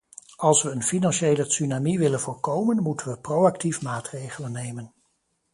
Als we een financiële tsunami willen voorkomen, moeten we proactief maatregelen nemen.